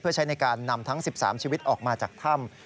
เพื่อใช้ในการนำทั้ง๑๓ชีวิตออกมาจากถ้ำ